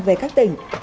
về các tỉnh